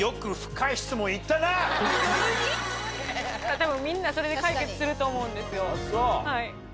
でもみんなそれで解決すると思うんですよ。